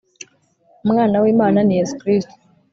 umwan w’imana ni yesu kristo